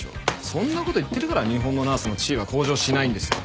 そんな事言ってるから日本のナースの地位は向上しないんですよ。